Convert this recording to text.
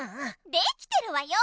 できてるわよ！